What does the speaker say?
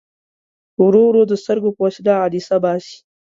ورو ورو د سترګو په وسیله عدسیه باسي.